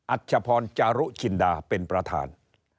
ชพรจารุจินดาเป็นประธาน